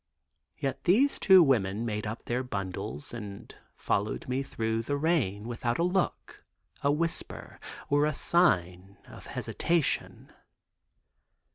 Yet these two women made up their bundles and followed me through the rain without a look, a whisper or a sign of hesitation.